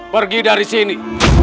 pergi dari sini